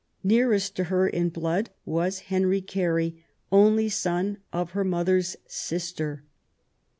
Nearest to her in blood was Henry Carey, only son of her mother's sister.